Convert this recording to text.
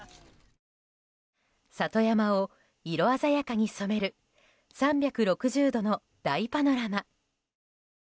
里山を色鮮やかに染める３６０度の大パノラマ。